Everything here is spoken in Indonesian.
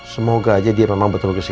semoga aja dia memang betul bisa